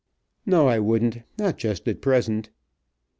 "No, I wouldn't, not just at present."